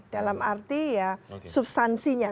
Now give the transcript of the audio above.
dalam arti ya substansinya